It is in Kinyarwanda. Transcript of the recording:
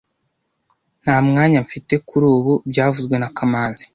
Nta mwanya mfite kuri ubu byavuzwe na kamanzi